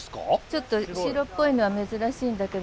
ちょっと白っぽいのは珍しいんだけど。